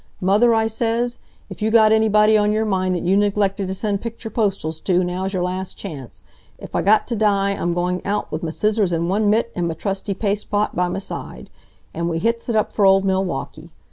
'Mother,' I says, 'if you got anybody on your mind that you neglected t' send picture postals to, now's' your last chance. 'F I got to die I'm going out with m' scissors in one mitt, and m' trusty paste pot by m' side!' An' we hits it up for old Milwaukee.